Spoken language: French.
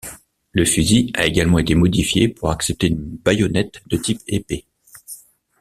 Le fusil a également été modifié pour accepter une baïonnette de type épée.